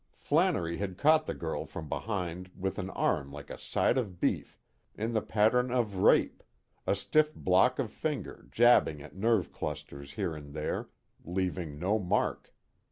Flannery had caught the girl from behind with an arm like a side of beef, in the pattern of rape, a stiff block of finger jabbing at nerve clusters here and there, leaving no mark.